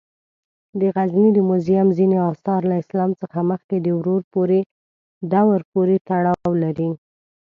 د غزني د موزیم ځینې آثار له اسلام څخه مخکې دورو پورې تړاو لري.